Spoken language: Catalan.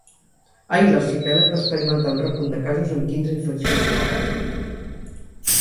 Ahir l’arxipèlag va experimentar un repunt de casos amb quinze infeccions noves.